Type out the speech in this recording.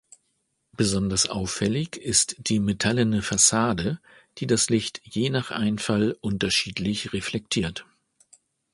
Besonders auffällig ist die metallene Fassade, die das Licht je nach Einfall unterschiedlich reflektiert.